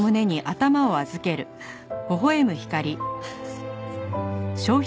すいません。